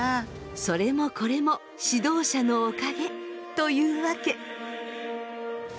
それもこれも指導者のおかげというわけ。